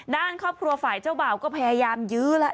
ด้านครอบครัวฝ่ายเจ้าบ่าวก็พยายามยื้อแล้ว